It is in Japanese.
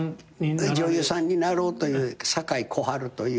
女優さんになろうという堺小春という。